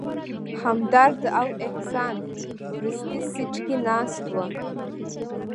همدرد او احسان وروستي سیټ کې ناست ول.